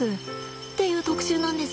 っていう特集なんです。